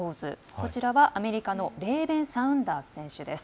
こちらはアメリカのレーベン・サウンダース選手です。